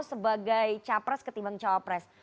sebagai cawapres ketimbang cawapres